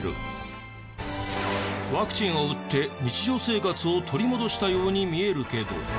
ワクチンを打って日常生活を取り戻したように見えるけど。